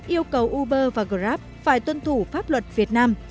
yêu cầu uber và grab phải tuân thủ pháp luật việt nam